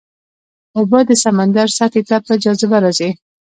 اوبه د سمندر سطحې ته په جاذبه راځي.